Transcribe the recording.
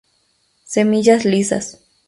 Semillas lisas.